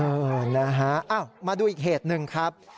เออนะฮะอ้าวมาดูอีกเหตุหนึ่งครับ